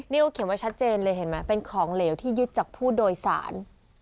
นี่เขาเขียนไว้ชัดเจนเลยเห็นไหมเป็นของเหลวที่ยึดจากผู้โดยสาร